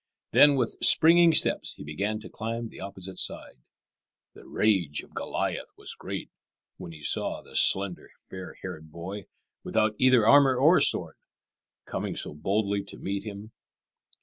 Then with springing steps he began to climb the opposite side. The rage of Goliath was great when he saw the slender, fair haired boy, without either armour or sword, coming so boldly to meet him.